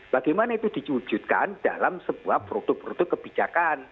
bagaimana itu diwujudkan dalam sebuah protokol protokol kebijakan